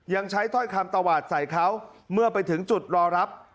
ยังใช้ถ้อยคำตวาดใส่เขาเมื่อไปถึงจุดรอรับ